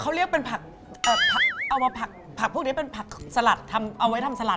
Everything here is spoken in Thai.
เขาเรียกเป็นผักเอามาผักพวกนี้เป็นผักสลัดทำเอาไว้ทำสลัด